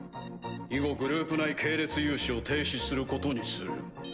以後グループ内系列融資を停止することにする。